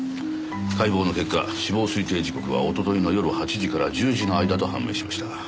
解剖の結果死亡推定時刻は一昨日の夜８時から１０時の間と判明しました。